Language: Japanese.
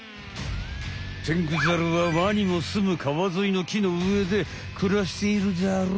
テングザルはワニもすむ川沿いの木の上で暮らしているザル。